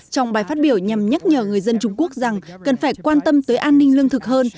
trong bài phát biểu nhằm nhắc nhở người dân trung quốc rằng cần phải quan tâm tới an ninh lương thực hơn